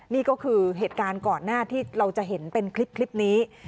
นี่ก็คือเหตุการณ์ก่อนหน้าที่เราจะเห็นเป็นคลิปนี้